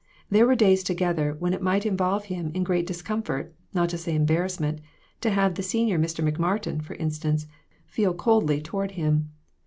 There were day? together when it might involve him in great dis comfort, not to say embarrassment, to have the senior Mr. McMartin, for instance, feel coldly toward him.